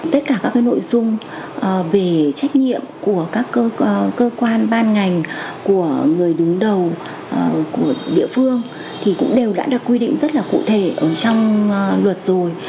tất cả các nội dung về trách nhiệm của các cơ quan ban ngành của người đứng đầu của địa phương thì cũng đều đã được quy định rất là cụ thể ở trong luật rồi